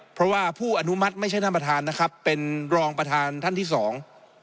เพราะว่าผู้อนุมัติไม่ใช่ท่านประธานนะครับเป็นรองประธานท่านที่สอง